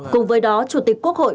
cùng với đó chủ tịch quốc hội